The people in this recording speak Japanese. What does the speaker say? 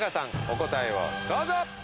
お答えをどうぞ。